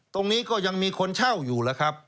ตรงนี้ก็ยังมีคนเช่าอยู่